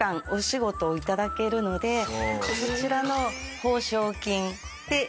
そちらの。